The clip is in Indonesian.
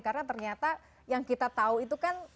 karena ternyata yang kita tahu itu kan